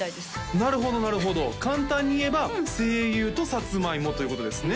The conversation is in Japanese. なるほどなるほど簡単に言えば声優とさつまいもということですね